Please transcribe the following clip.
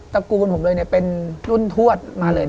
ระกูลผมเลยเป็นรุ่นทวดมาเลย